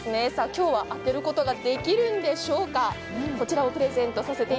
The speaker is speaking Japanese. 今日は当てることができるんでしょうか。